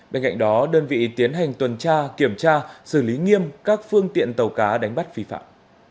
bên cạnh đó đơn vị tiến hành tuần tra kiểm tra xử lý nghiêm các phương tiện tàu cá đánh bắt phi phạm